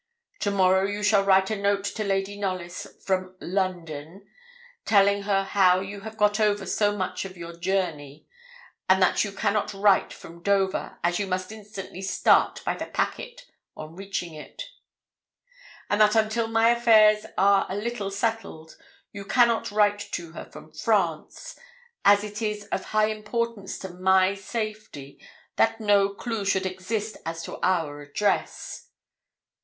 Tomorrow you shall write a note to Lady Knollys, from London, telling her how you have got over so much of your journey, and that you cannot write from Dover, as you must instantly start by the packet on reaching it; and that until my affairs are a little settled, you cannot write to her from France, as it is of high importance to my safety that no clue should exist as to our address.